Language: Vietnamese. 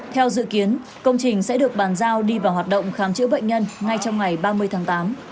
theo dự kiến công trình sẽ được bàn giao đi vào hoạt động khám chữa bệnh nhân ngay trong ngày ba mươi tháng tám